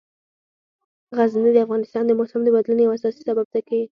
غزني د افغانستان د موسم د بدلون یو اساسي سبب کېږي.